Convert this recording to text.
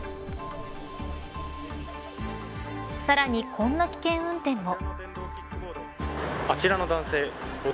さらに、こんな危険な運転も。